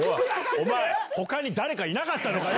お前、ほかに誰かいなかったのかよ。